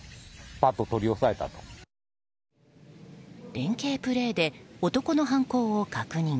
連係プレーで男の犯行を確認。